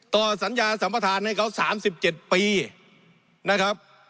ต่อสัญญาสัมประธานให้เขา๓๗ปีนะครับ